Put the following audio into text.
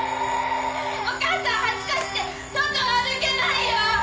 お母さん恥ずかしくて外歩けないよ！